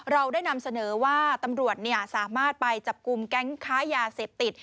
เราได้นำเสนอว่าตำรวจสามารถไปจับกลุ่มแก๊งค้ายาเสพติด